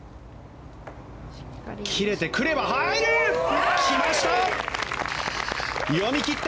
切れてくれば入る！来ました！